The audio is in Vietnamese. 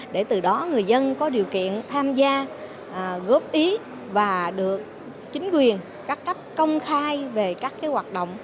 để từ đó người dân có điều kiện tham gia góp ý và được chính quyền các cấp công khai về các hoạt động